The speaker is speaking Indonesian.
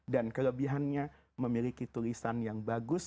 dan kelebihannya memiliki tulisan yang bagus